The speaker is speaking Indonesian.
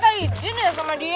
sama ijin ya sama dia